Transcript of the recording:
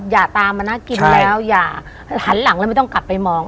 อย่าตามมาน่ากินแล้วอย่าหันหลังแล้วไม่ต้องกลับไปมอง